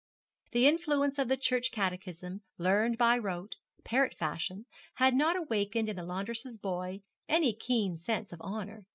The influence of the Church Catechism, learned by rote, parrot fashion, had not awakened in the laundress's boy any keen sense of honour.